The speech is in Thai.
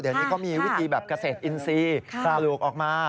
เดี๋ยวนี้ก็มีวิธีแบบเกษตรอินซีสารุกออกมา